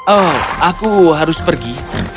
oh aku harus pergi